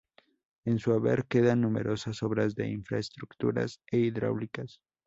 En su haber quedan numerosas obras de infraestructuras e hidráulicas.